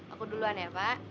aku duluan ya pak